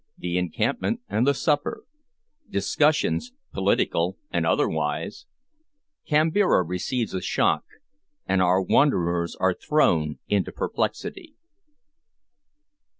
THE ENCAMPMENT AND THE SUPPER DISCUSSIONS, POLITICAL AND OTHERWISE KAMBIRA RECEIVES A SHOCK, AND OUR WANDERERS ARE THROWN INTO PERPLEXITY.